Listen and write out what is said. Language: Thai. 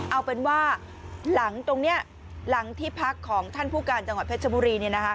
เอาเป็นว่าหลังตรงนี้หลังที่พักของท่านผู้การจังหวัดเพชรบุรี